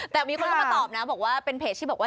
แต่มีคนเอามาตอบนะเป็นเพจที่บอกว่า